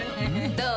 どう？